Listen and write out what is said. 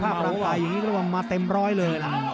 สภาพร่างกายอย่างนี้ก็ว่ามาเต็มร้อยเลยนะ